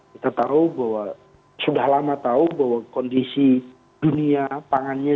kita tahu bahwa sudah lama tahu bahwa kondisi dunia pangannya